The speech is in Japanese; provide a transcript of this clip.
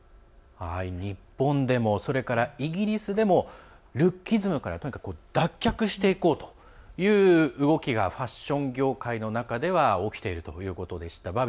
日本でもそれからイギリスでもルッキズムから脱却していこうという動きがファッション業界の中では起きているということでした。